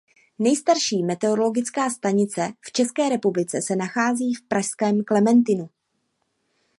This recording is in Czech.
Nejstarší meteorologická stanice v České republice se nachází v pražském Klementinu.